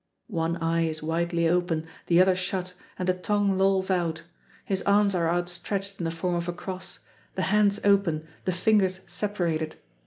One eye is widely open, the other shut, and the tongue lolls out. His arms are outstretched in the form of a cross: the hands open, the fingers separated.